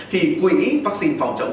thì quý vắc xin phòng chống